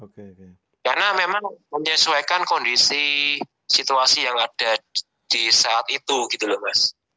karena memang menyesuaikan kondisi situasi yang ada di saat itu gitu loh mas